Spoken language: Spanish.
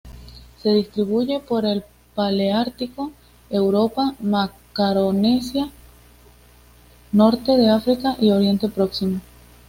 Se distribuye por el paleártico: Europa, Macaronesia, norte de África y Oriente Próximo.